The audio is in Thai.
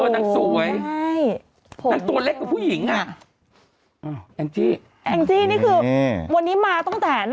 นั่งสวยนั่งตัวเล็กกว่าผู้หญิงอ่ะอังจี้นี่คือวันนี้มาตั้งแต่